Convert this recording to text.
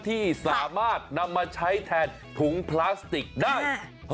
ที่สามารถนำมาใช้แทนถุงพลาสติกได้